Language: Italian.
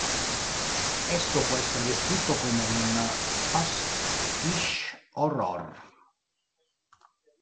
Esso può essere descritto come un pastiche horror.